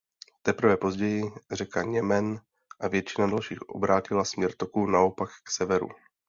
Teprve později řeka Němen a většina dalších obrátila směr toku naopak k severu.